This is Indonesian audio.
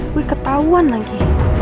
gue ketauan lagi